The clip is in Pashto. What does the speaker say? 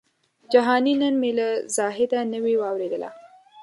جهاني نن مي له زاهده نوې واورېدله